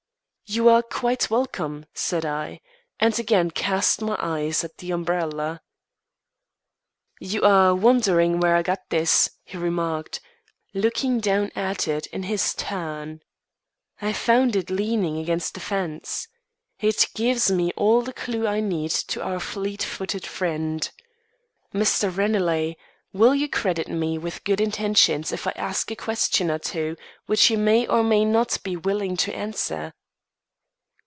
"You are quite welcome," said I; and again cast my eye at the umbrella. "You are wondering where I got this," he remarked, looking down at it in his turn. "I found it leaning against the fence. It gives me all the clue I need to our fleet footed friend. Mr. Ranelagh, will you credit me with good intentions if I ask a question or two which you may or may not be willing to answer?"